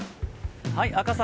赤坂